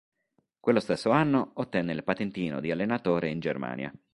Quello stesso anno ottenne il patentino di allenatore in Germania.